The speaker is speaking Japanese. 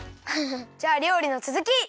じゃありょうりのつづき！